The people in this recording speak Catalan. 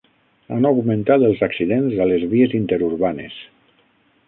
Han augmentat els accidents a les vies interurbanes.